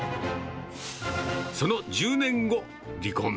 その１０年後、離婚。